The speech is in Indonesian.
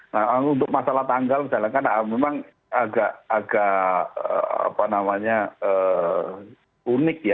nah untuk masalah tanggal misalnya kan memang agak unik ya